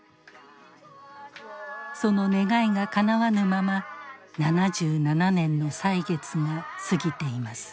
その願いがかなわぬまま７７年の歳月が過ぎています。